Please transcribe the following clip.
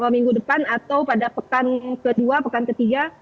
minggu depan atau pada pekan ke dua pekan ke tiga